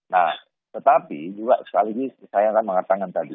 nah tetapi juga sekali lagi saya akan mengatakan tadi